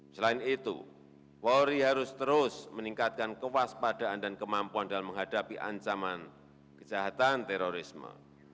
selain itu polri harus terus meningkatkan kewaspadaan dan kemampuan dalam menghadapi ancaman kejahatan terorisme